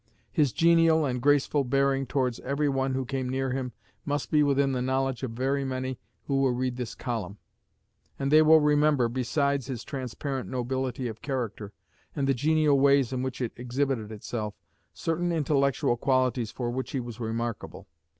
His genial and graceful bearing towards every one who came near him must be within the knowledge of very many who will read this column; and they will remember, besides his transparent nobility of character, and the genial ways in which it exhibited itself, certain intellectual qualities for which he was remarkable.